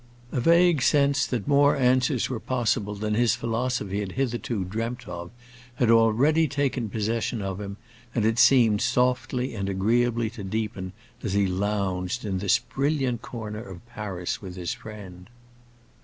A vague sense that more answers were possible than his philosophy had hitherto dreamt of had already taken possession of him, and it seemed softly and agreeably to deepen as he lounged in this brilliant corner of Paris with his friend.